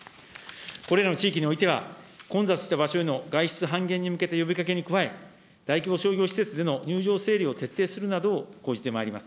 これらの地域においては、混雑した場所への外出半減に向けた呼びかけに加え、大規模商業施設での入場制限を徹底するなどを講じてまいります。